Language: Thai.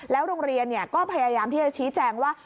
โรงเรียนก็พยายามที่จะชี้แจงว่า